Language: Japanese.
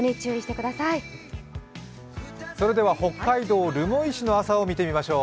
北海道留萌市の朝を見てみましょう。